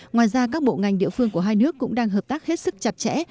ngoài ra các bộ ngành địa phương của hai nước cũng đang hợp tác hết sức chặt chẽ